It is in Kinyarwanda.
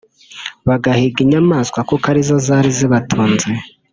bagahiga inyamaswa kuko ari zo zari zibatunze